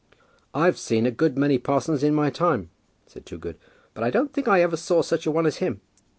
"I've seen a good many parsons in my time," said Toogood; "but I don't think I ever saw such a one as him.